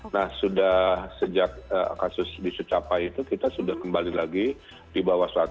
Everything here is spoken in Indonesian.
nah sudah sejak kasus di sucapai itu kita sudah kembali lagi di bawah satu